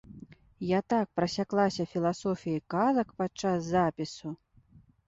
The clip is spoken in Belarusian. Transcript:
Я так прасяклася філасофіяй казак падчас запісу!!!